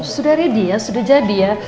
sudah ready ya sudah jadi ya